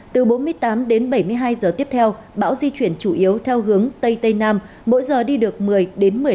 từ bốn mươi tám đến bảy mươi hai giờ tiếp theo bão di chuyển chủ yếu theo hướng tây tây nam mỗi giờ đi được một mươi đến một mươi năm